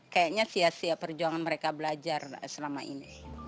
kayaknya sia sia perjuangan mereka belajar selama ini